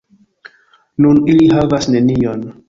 Nun ili havas nenion!